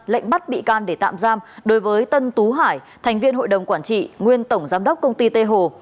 lệnh bắt bị can để tạm giam đối với tân tú hải thành viên hội đồng quản trị nguyên tổng giám đốc công ty tây hồ